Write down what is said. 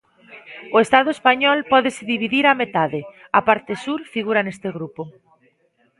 O estado español pódese dividir á metade: a parte sur figura neste grupo.